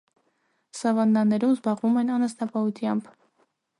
Սավաննաներում զբաղվում են անասնապահությամբ։